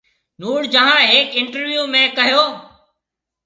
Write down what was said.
نور جهان هيڪ انٽرويو ۾ ڪهيو